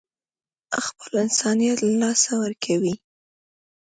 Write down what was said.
خپل انسانيت له لاسه ورکوي.